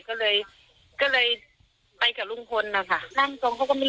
เขาก็บอกว่าเพราะว่าร่างตรงแล้วท่านคว่ำหน้าท่านจะพูดเลยน่ะ